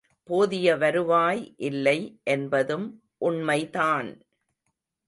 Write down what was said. போதிய வருவாய் இல்லை என்பதும் உண்மை தான்!